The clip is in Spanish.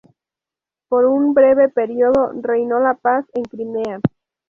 Por un breve periodo, reinó la paz en Crimea.